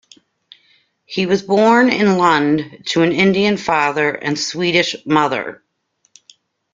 He was born in Lund to an Indian father and Swedish mother.